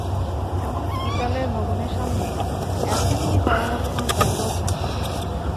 এমনকি বিদ্যালয় ভবনের সামনে অ্যাসেম্বলি করার মতো কোনো জায়গাও খালি নেই।